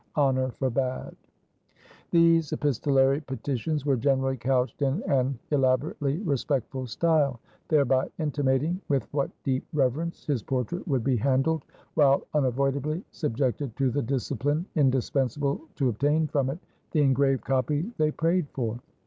Honor forbade. These epistolary petitions were generally couched in an elaborately respectful style; thereby intimating with what deep reverence his portrait would be handled, while unavoidably subjected to the discipline indispensable to obtain from it the engraved copy they prayed for.